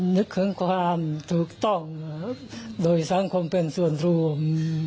นึกถึงความถูกต้องโดยสังคมเป็นส่วนรวม